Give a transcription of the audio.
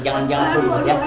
jangan rebut ya